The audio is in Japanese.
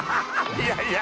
いやいや。